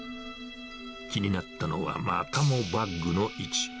気になったのは、またもバッグの位置。